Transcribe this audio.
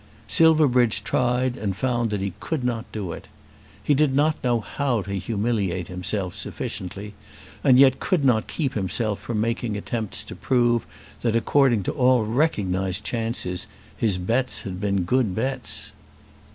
Silverbridge tried and found that he could not do it. He did not know how to humiliate himself sufficiently, and yet could not keep himself from making attempts to prove that according to all recognised chances his bets had been good bets.